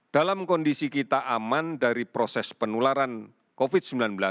dalam kondisi kita aman dari proses penularan covid sembilan belas